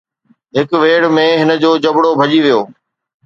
هڪ ويڙهه ۾ هن جو جبرو ڀڄي ويو